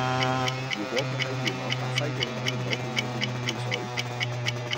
如果佢喺元朗達輝徑搵唔到便利店買汽水